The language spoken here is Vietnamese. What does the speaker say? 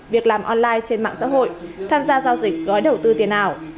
việc làm online trên mạng xã hội tham gia giao dịch gói đầu tư tiền ảo